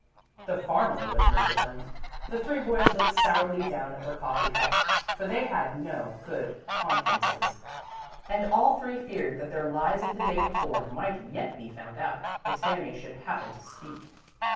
The farmer was no different. The three boys looked sourly down at their coffee cups, for they had no good consciences, and all three feared that their lies of the day before might yet be found out, if Sami should happen to speak.